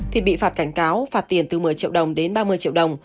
thì bị phạt cảnh cáo phạt tiền từ một mươi triệu đồng đến ba mươi triệu đồng